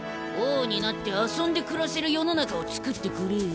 王になって遊んで暮らせる世の中をつくってくれよ。